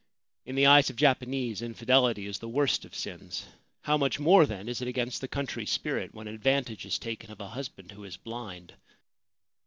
In the eyes of Japanese infidelity is the worst of sins. How much more, then, is it against the country's spirit when advantage is taken of a husband who is blind